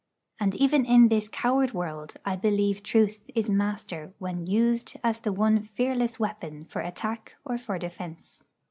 And even in this coward world I believe truth is master when used as the one fearless weapon, for attack or for defence.